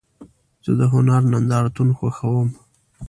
زه د هنر نندارتون خوښوم.